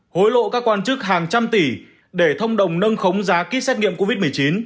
hối lộ các quan chức hàng trăm tỷ để thông đồng nâng khống giá kýt xét nghiệm covid một mươi chín